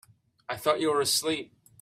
I thought you were asleep.